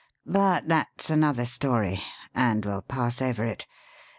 But that's another story, and we'll pass over it.